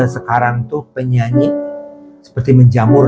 sekarang tuh penyanyi seperti menjamur